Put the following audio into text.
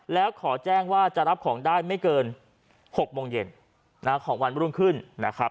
แล้วขอแจ้งว่าจะรับของได้ไม่เกิน๖โมงเย็นของวันรุ่งขึ้นนะครับ